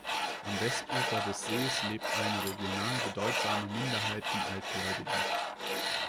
Am Westufer des Sees lebt eine regional bedeutsame Minderheit von Altgläubigen.